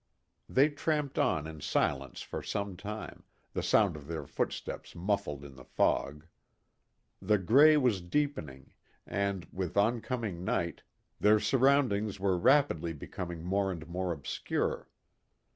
They tramped on in silence for some time, the sound of their footsteps muffled in the fog. The gray was deepening, and, with oncoming night, their surroundings were rapidly becoming more and more obscure.